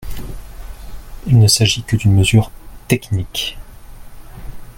Il ne s’agit que d’une mesure technique.